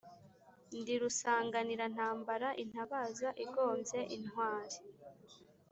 Ndi rusanganirantambara intabaza igombye intwali,